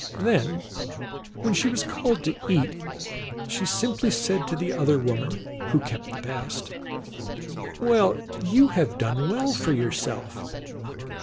Then, when she was called to eat, she simply said to the other woman, who kept the best, " Well, you have done well for yourself